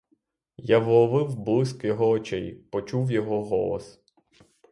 Я вловив блиск його очей, почув його голос.